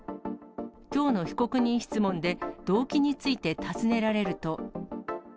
きょうの被告人質問で、動機について尋ねられると。